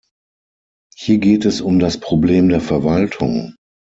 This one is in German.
Hier geht es um das Problem der Verwaltung.